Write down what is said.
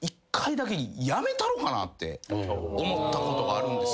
思ったことがあるんですよ。